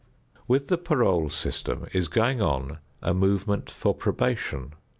With the parole system is going on a movement for probation.